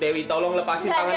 dewi tolong lepasin tangan